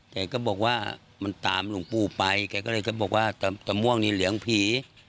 แกก็บอกว่ามันตามหลวงปู่ไปแกก็เลยก็บอกว่าตะม่วงนี่เหลืองผี